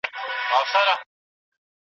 که حقونه ونه پيژندل سي شخړې رامنځته کيږي.